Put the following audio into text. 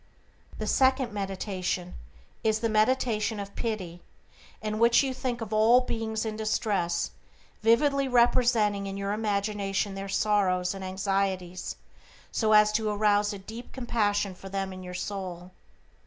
"The second meditation is the meditation of pity, in which you think of all beings in distress, vividly representing in your imagination their sorrows and anxieties so as to arouse a deep compassion for them in your soul.